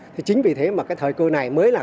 thì chính vì thế mà cái thời cơ này mới là